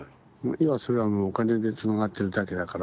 今はそれはもうお金でつながってるだけだから。